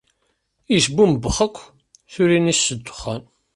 Isbumbex akk turin-is s ddexxan.